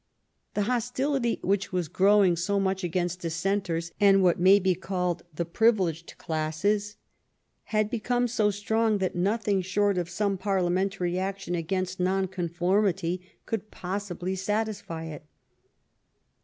The hostility which was growing so much against Dissenters, and especially among the influ ential, and what may be called the privileged classes, had become so strong that nothing short of some parliamentary action against Nonconformity could possibly satisfy it.